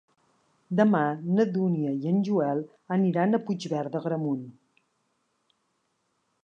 Demà na Dúnia i en Joel aniran a Puigverd d'Agramunt.